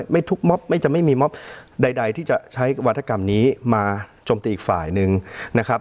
ไม่ทุกม็อบไม่มีม็อบใดที่จะใช้วัฒกรรมนี้มาจมตีอีกฝ่ายหนึ่งนะครับ